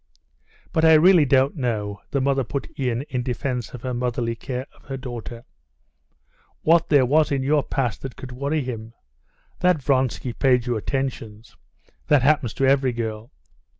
"But I really don't know," the mother put in in defense of her motherly care of her daughter, "what there was in your past that could worry him? That Vronsky paid you attentions—that happens to every girl."